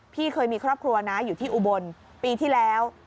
พี่เคยมีครอบครัวนะอยู่ที่อุบลปีที่แล้ว